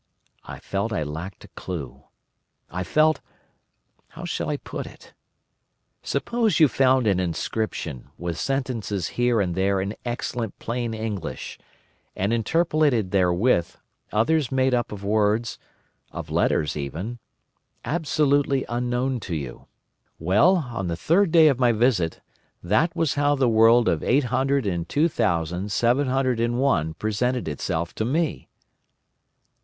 I felt I lacked a clue. I felt—how shall I put it? Suppose you found an inscription, with sentences here and there in excellent plain English, and interpolated therewith, others made up of words, of letters even, absolutely unknown to you? Well, on the third day of my visit, that was how the world of Eight Hundred and Two Thousand Seven Hundred and One presented itself to me!